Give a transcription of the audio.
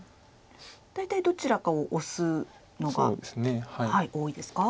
大体どちらかをオスのが多いですか。